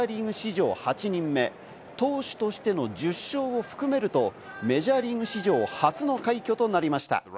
複数回記録するのはメジャーリーグ史上８人目投手としての１０勝を含めると、メジャーリーグ史上初の快挙となりました。